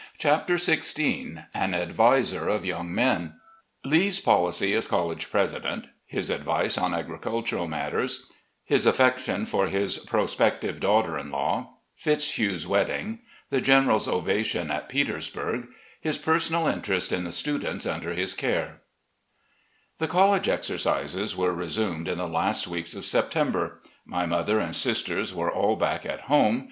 CHAPTER XVI An Adviser of Young Men lee's policy as college president — HIS ADVICE ON AGRICULTURAL MATTERS — ^HIS AFFECTION FOR HIS PROSPECTIVE DAUGHTER IN LAW — FITZHUGh's WED DING — ^THE general's OVATION AT PETERSBURG — HIS PERSONAL INTEREST IN THE STUDENTS UNDER HIS CARE The college exercises were resumed in the last weeks of September. My mother and sisters were all back at home.